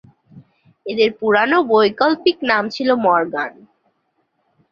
এঁদের পুরানো বৈকল্পিক নাম ছিল মরগান।